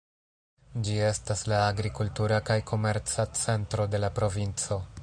Ĝi estas la agrikultura kaj komerca centro de la provinco.